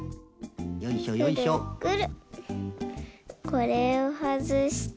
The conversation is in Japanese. これをはずして。